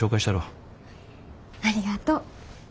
ありがとう。